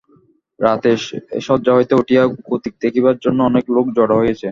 রাত্রে শয্যা হইতে উঠিয়া কৌতুক দেখিবার জন্য অনেক লোক জড় হইয়াছে।